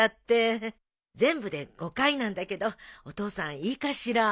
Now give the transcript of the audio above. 全部で５回なんだけどお父さんいいかしら？